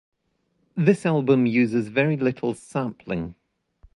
This album uses very little sampling.